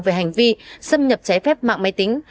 về hành vi xâm nhập trái phép mạng máy tính